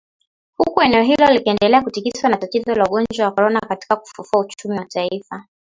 Huku eneo hilo likiendelea kutikiswa na tatizo la ugonjwa wa Corona katika kufufua uchumi wa taifa.